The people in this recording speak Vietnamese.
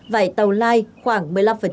vải tàu lai khoảng một mươi năm